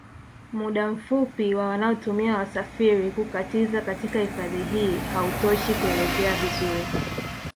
Muda mfupi wa wanaotumia wasafiri kukatiza katika hifadhi hii hautoshi kuelezea vizuri